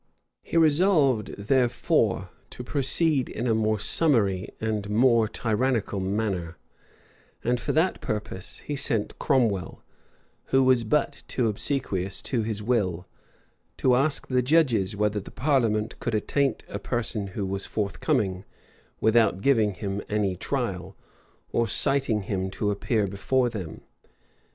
He resolved, therefore, to proceed in a more summary and more tyrannical manner; and for that purpose he sent Cromwell, who was but too obsequious to his will, to ask the judges, whether the parliament could attaint a person who was forthcoming, without giving him any trial, or citing him to appear before them?